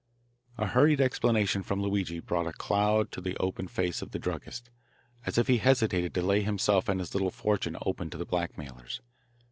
A hurried explanation from Luigi brought a cloud to the open face of the druggist, as if he hesitated to lay himself and his little fortune open to the blackmailers.